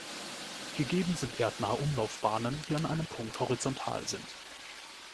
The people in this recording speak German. Gegeben sind erdnahe Umlaufbahnen, die an einem Punkt horizontal sind.